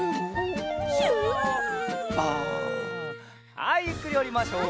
はいゆっくりおりましょう。